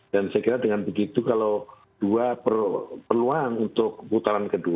dan saya kira dengan begitu kalau dua perlu peluang untuk putaran ke dua